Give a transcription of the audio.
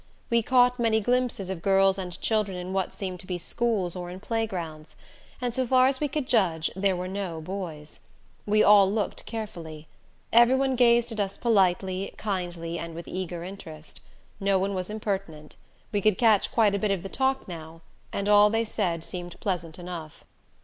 We caught many glimpses of girls and children in what seemed to be schools or in playgrounds, and so far as we could judge there were no boys. We all looked, carefully. Everyone gazed at us politely, kindly, and with eager interest. No one was impertinent. We could catch quite a bit of the talk now, and all they said seemed pleasant enough.